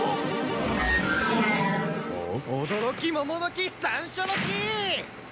驚き桃の木山椒の木！